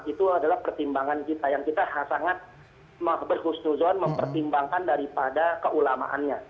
itu adalah pertimbangan kita yang kita sangat berhusnuzon mempertimbangkan daripada keulamaannya